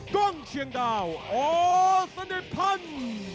กองเชียงดาวอสันติพันธ์